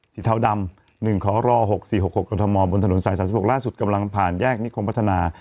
เทาดำ๑ขอร๖๔๖๖กรทมบนถนนสาย๓๖ล่าสุดกำลังผ่านแยกนิคมพัฒนา